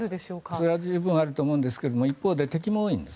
それは十分あると思うんですが一方で敵も多いんです。